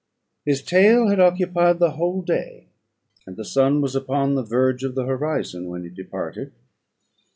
His tale had occupied the whole day; and the sun was upon the verge of the horizon when he departed.